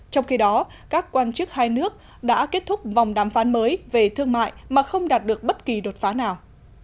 trong khi đó các quan chức hai nước đã kết thúc vòng đàm phán mới về thương mại mà không đạt được bất kỳ đột phá nào